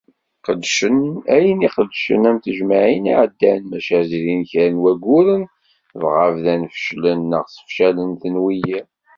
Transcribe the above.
Qedcen ayen qedcen, am tejmeɛyin iɛeddan, maca zrin kra n wayyuren dɣa bdan fecclen neɣ ssefcalen-ten wiyiḍ.